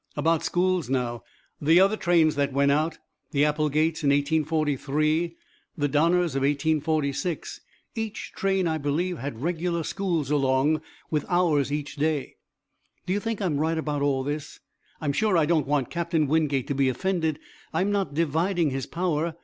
"About schools, now the other trains that went out, the Applegates in 1843, the Donners of 1846, each train, I believe, had regular schools along, with hours each day. "Do you think I'm right about all this? I'm sure I don't want Captain Wingate to be offended. I'm not dividing his power.